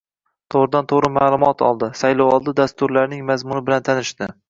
to‘g‘ridan-to‘g‘ri ma’lumot oldi, saylovoldi dasturlarining mazmuni bilan tanishdi.